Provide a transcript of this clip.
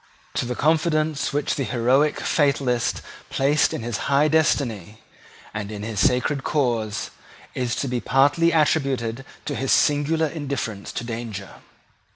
To the confidence which the heroic fatalist placed in his high destiny and in his sacred cause is to be partly attributed his singular indifference to danger.